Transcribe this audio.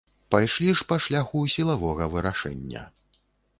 Пайшлі ж па шляху сілавога вырашэння.